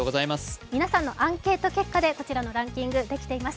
皆さんのアンケート結果でこちらのランキング、できています。